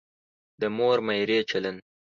د مور میرې چلند.